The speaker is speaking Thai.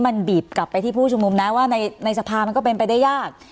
มันบีบกลับไปที่ผู้ชุมนุมนะว่าในสภามันก็เป็นไปได้ยาก